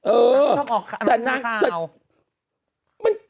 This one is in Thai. เออแต่นางจะ